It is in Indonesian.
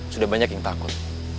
sudah banyak yang takut